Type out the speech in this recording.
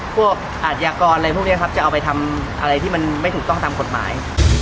พวกอาชญากรจะเอาไปทำอะไรที่ไม่ถูกต้องตามกฎหมาย